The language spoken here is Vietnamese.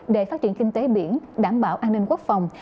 để phát triển kinh tế biển đảm bảo an ninh quốc phòng